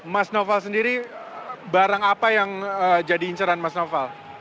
mas novel sendiri barang apa yang jadi inceran mas novel